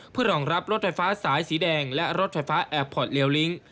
เพื่อรองรับรถไฟฟ้าสายสีแดงและรถไฟฟ้าแอร์พอร์ตเลียวลิ้ง